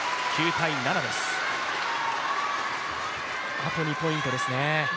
あと２ポイントですね。